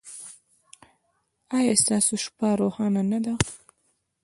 ایا ستاسو شپه روښانه نه ده؟